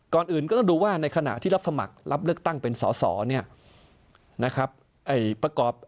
ก่อนอื่นก็ต้องดูว่าในขณะที่รับสมัครรับเลือกตั้งเป็นสอสอเนี่ยนะครับ